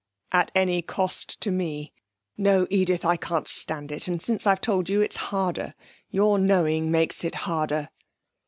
'At any cost to me? No, Edith; I can't stand it. And since I've told you it's harder. Your knowing makes it harder.'